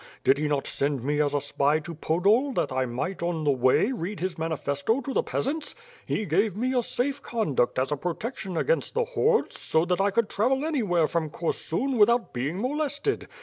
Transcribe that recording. Did he not send me as a spy to Podol that I might, on the way, read his manifesto to the peasants. He gave me a safe conduct as a protection against the hordes so that I could travel any where from Korsun without being molested.